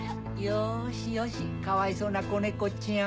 よしよしかわいそうな子ネコちゃん。